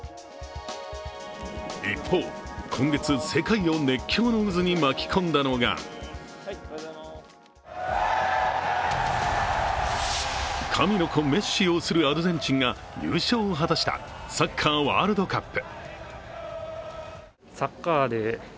一方、今月、世界を熱狂の渦に巻き込んだのが神の子・メッシ擁するアルゼンチンが優勝を果たしたサッカーワールドカップ。